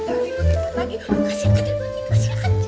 kasih lagi kasih lagi